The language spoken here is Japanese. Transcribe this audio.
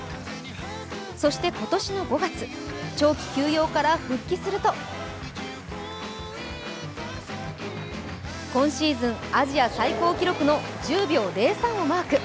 そして、今年の５月長期休養から復帰すると、今シーズンアジア最高記録の１０秒０３をマーク。